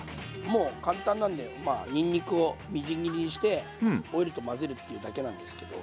もう簡単なんでにんにくをみじん切りにしてオイルと混ぜるっていうだけなんですけど。